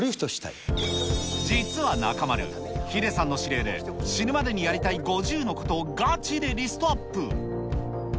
実は中丸、ヒデさんの指令で、死ぬまでにやりたい５０のことをガチでリストアップ。